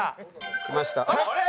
きました。